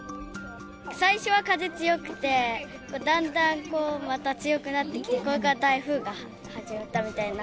最初は風強くて、だんだんまた強くなってきて、これから台風が始まったみたいな。